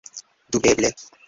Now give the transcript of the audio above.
Dubeble!